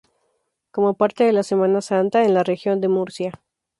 Como parte de la Semana Santa en la Región de Murcia.